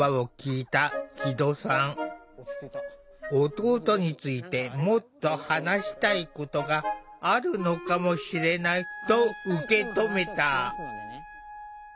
弟についてもっと話したいことがあるのかもしれないと受け止めた。